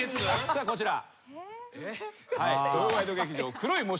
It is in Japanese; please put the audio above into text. さあこちら。